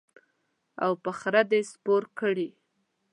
او په خره دې سپور کړي.